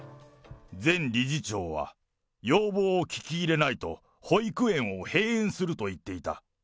前理事長は、要望を聞き入れないと、保育園を閉園すると言っていた。